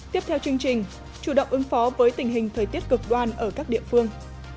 tiếp theo chương trình chủ động ứng phó với tình hình thời tiết cực đoan ở các địa phương